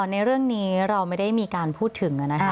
ในเรื่องนี้เราไม่ได้มีการพูดถึงนะคะ